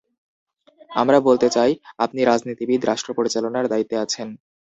আমরা বলতে চাই, আপনি রাজনীতিবিদ, রাষ্ট্র পরিচালনার দায়িত্বে আছেন।